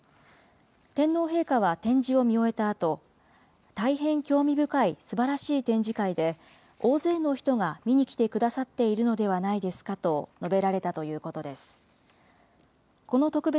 天皇陛下は展示を見終えたあと、大変興味深いすばらしい展示会で、大勢の人が見に来てくださっているのではないですかと述べられたということです。